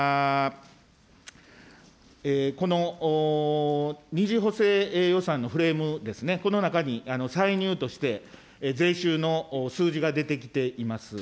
この２次補正予算のフレームですね、この中に歳入として、税収の数字が出てきています。